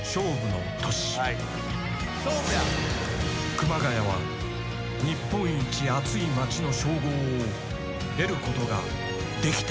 「熊谷は日本一暑い町の称号を得ることができたのか？」